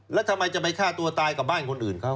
แล้วทำไมจะไปฆ่าตัวตายกับบ้านคนอื่นเขา